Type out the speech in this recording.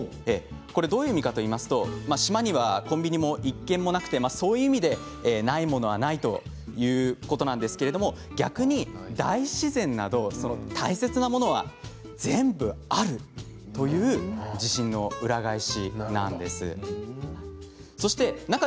どういう意味かといいますと島にはコンビニも１軒もなくそういう意味でないものはないということなんですが逆に大自然など大切なものは全部あるというそういう自信の裏返しなんです。